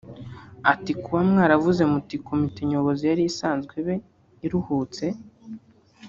Ati "Kuba mwaravuze muti komite nyobozi yari isanzwe ibe iruhutse